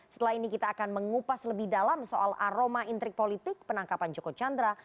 setelah ini kita akan mengupas lebih dalam soal aroma intrik politik penangkapan joko chandra